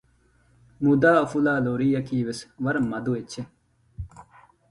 މުދާ އުފުލާ ލޯރިއަކީ ވެސް ވަރަށް މަދު އެއްޗެއް